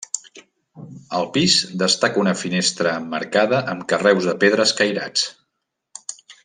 Al pis destaca una finestra emmarcada amb carreus de pedra escairats.